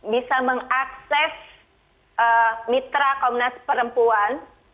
bisa mengakses mitra komnas perempuan